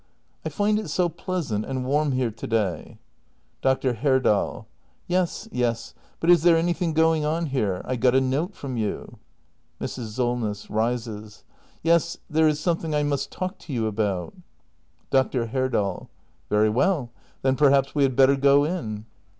I find it so pleasant and warm here to day. Dr. Herdal. Yes, yes. But is there anything going on here? I got a note from you. Mrs. Solness. [Rises.] Yes, there is something I must talk to you about. Dr. Herdal. Very well; then perhaps we had better go in.